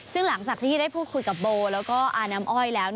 ซึ่งหลังจากที่ได้พูดคุยกับโบแล้วก็อาน้ำอ้อยแล้ว